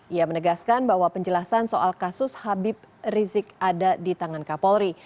ia menegaskan bahwa penjelasan soal kasus habib rizik ada di tangan kapolri